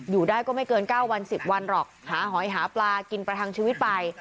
อยู่ได้ก็ไม่เกิน๙วัน๑๐วันหรอกหาหอยหาปลากินประทังชีวิตไป